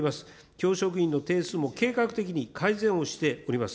教職員の定数も計画的に改善をしております。